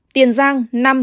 tiền giang năm